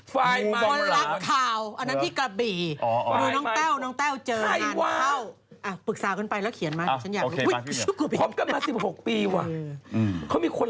ฟานจากกลางคนรักค่าวอันนั้นที่กระบี่